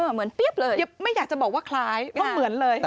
เหมือนเปรียบเลยไม่อยากจะบอกว่าคล้ายเพราะเหมือนเลย